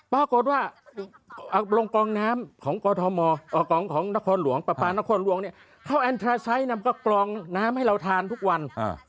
ปรากฏว่าลงกองน้ำของกอทมของนครหลวงปลาปลานครหลวงเนี่ยเขาแอนทราไซต์นำก็กรองน้ำให้เราทานทุกวัน